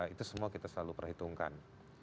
itu semua kita selalu perhitungkan